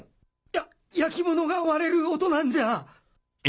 や焼き物が割れる音なんじゃ。